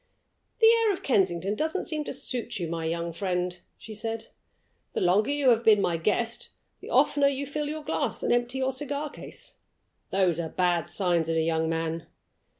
"The air of Kensington doesn't seem to suit you, my young friend," she said. "The longer you have been my guest, the oftener you fill your glass and empty your cigar case. Those are bad signs in a young man.